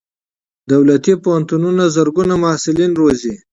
دولتي پوهنتونونه زرګونه محصلین روزي.